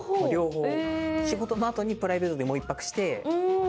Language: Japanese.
仕事のあとにプライベートでもう１泊して。